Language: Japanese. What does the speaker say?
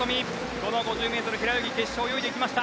この５０ｍ平泳ぎ泳いでいきました。